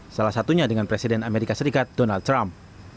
salah satunya dengan presiden amerika serikat donald trump